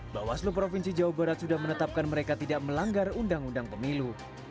bawaslu provinsi jawa barat sudah menetapkan mereka tidak melanggar undang undang pemilu